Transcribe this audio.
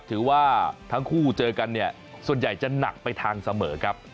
ถือว่าทั้งคู่เจอกันเนี่ยส่วนใหญ่จะหนักไปทางเสมอครับ